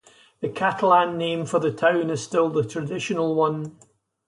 The Catalan name for the town is still the traditional one.